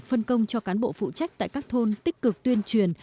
phân công cho cán bộ phụ trách tại các thôn tích cực tuyên truyền